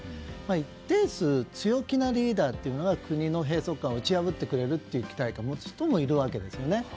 一定数、強気なリーダーが国の閉塞感を打ち破ってくれるという期待感を持つ人もいるわけですよね。